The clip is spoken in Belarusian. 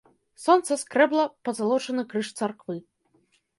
Сонца скрэбла пазалочаны крыж царквы.